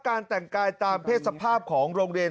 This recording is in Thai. การแต่งกายตามเพศสภาพของโรงเรียน